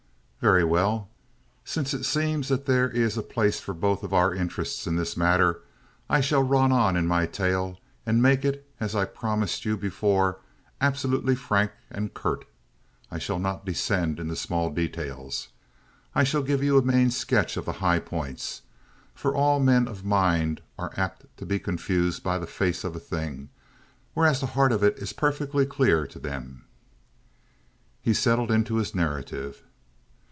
"Very well. Since it seems that there is a place for both our interests in this matter, I shall run on in my tale and make it, as I promised you before, absolutely frank and curt. I shall not descend into small details. I shall give you a main sketch of the high points; for all men of mind are apt to be confused by the face of a thing, whereas the heart of it is perfectly clear to them." He settled into his narrative.